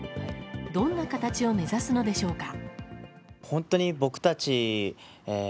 どんな形を目指すのでしょうか。